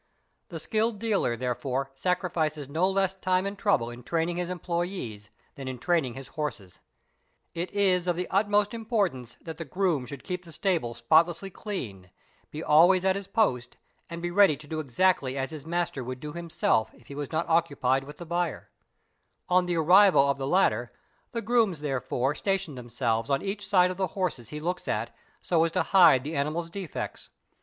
The skilled dealer therefore sacrifices no less time and trouble in training his employés than in training his horses. It is of the utmost import _ ance that the groom should keep the stable spotlessly clean, be always at his post, and be able to do exactly as his master would do himself if he was not occupied with the buyer; on the arrival of the latter the grooms therefore station themselves on each side of the horses he looks at so as to hide the animals' defects.